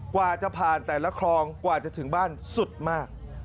กว่าจะผ่านแต่ละคลองกว่าจะถึงบ้านสุดมาก